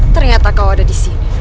ternyata kau ada disini